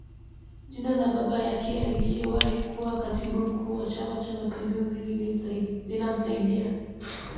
Jina la baba yake aliyewahi kuwa Katibu Mkuu wa Chama Cha mapinduzi linamsaidia